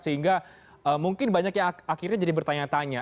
sehingga mungkin banyak yang akhirnya jadi bertanya tanya